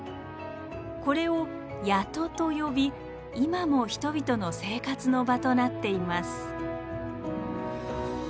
これを「谷戸」と呼び今も人々の生活の場となっています。